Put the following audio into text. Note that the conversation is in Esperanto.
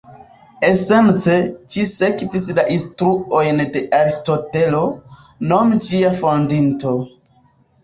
Esence, ĝi sekvis la instruojn de Aristotelo, nome ĝia fondinto.